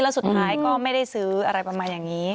แล้วสุดท้ายก็ไม่ได้ซื้ออะไรประมาณอย่างนี้